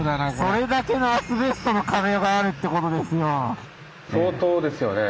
それだけのアスベストの壁があるってことですよ！